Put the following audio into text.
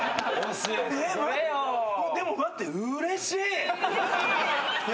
でも待ってうれしい。